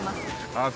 ああ